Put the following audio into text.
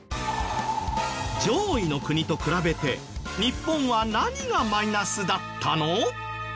上位の国と比べて日本は何がマイナスだったの？